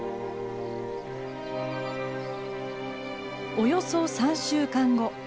およそ３週間後。